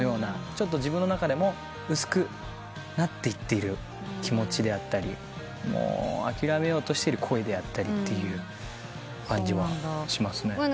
ちょっと自分の中でも薄くなっていっている気持ちであったり諦めようとしてる恋であったりって感じはしますね。